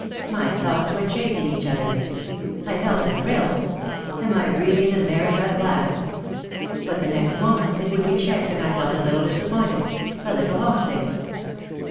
My thoughts were chasing each other. I felt a thrill: "Am I really in America at last?" But the next moment it would be checked and I felt a little disappointed, a lit tle homesick.